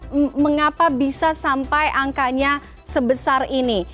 anda melihat mengapa bisa sampai angkanya sebesar ini